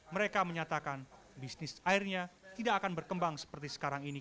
mereka menyatakan bisnis airnya tidak akan berkembang seperti sekarang ini